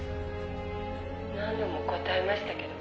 「何度も答えましたけど」